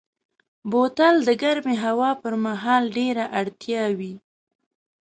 بوتل د ګرمې هوا پر مهال ډېره اړتیا وي.